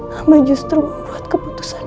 hamba justru membuat keputusan